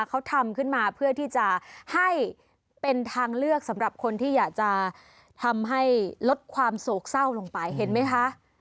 เขาทำขึ้นมาเพื่อที่จะให้เป็นทางเลือกสำหรับคนที่อยากจะทำให้ลดความโศกเศร้าลงไปเห็นไหมคะ